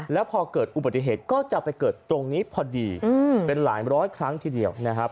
แล้วพอเกิดอุบัติเหตุก็จะไปเกิดตรงนี้พอดีเป็นหลายร้อยครั้งทีเดียวนะครับ